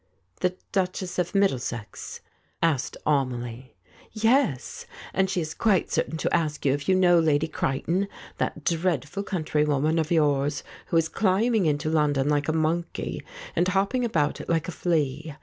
"The Duchess of Middlesex?" asked Amelie. "Yes; and she is quite certain to ask you if you know Lady Creighton, that dreadful countrywoman of yours who is climbing into London like a monkey and hopping about it like a flea.